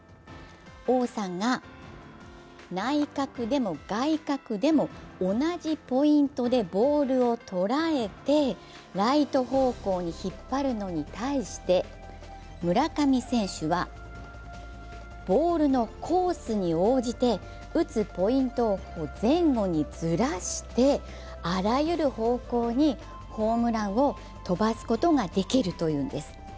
王さんが内角でも外角でも同じポイントでボールを捉えてライト方向に引っ張るのに対して、村上選手は、ボールのコースに応じて、打つポイントを前後にずらして、あらゆる方向にホームランを飛ばすことができるというんです。